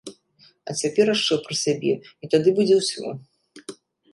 А цяпер яшчэ пра сябе, і тады будзе ўсё.